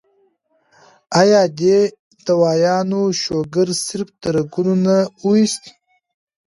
ايا دې دوايانو شوګر صرف د رګونو نه اوويستۀ